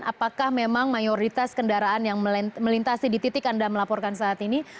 apakah memang mayoritas kendaraan yang melintasi di titik anda melaporkan saat ini